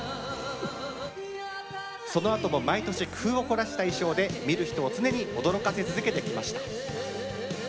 そのあとも毎年工夫を凝らした衣装で見る人を常に驚かせ続けてきました。